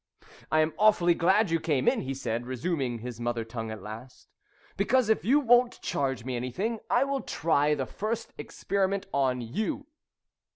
"I am awfully glad you came in," he said, resuming his mother tongue at last "because if you won't charge me anything I will try the first experiment on you."